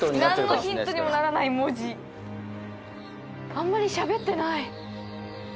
あんまりしゃべってない。